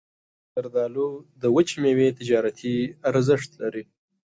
زردالو د وچې میوې تجارتي ارزښت لري.